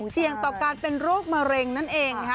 เสี่ยงต่อการเป็นโรคมะเร็งนั่นเองนะคะ